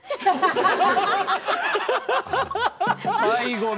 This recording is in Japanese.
最後の。